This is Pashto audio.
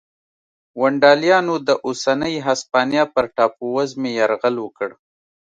ونډالیانو د اوسنۍ هسپانیا پر ټاپو وزمې یرغل وکړ